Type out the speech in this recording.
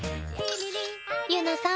ゆなさん